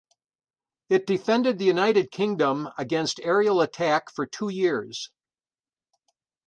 It defended the United Kingdom against aerial attack for two years.